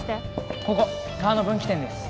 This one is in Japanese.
ここ川の分岐点です。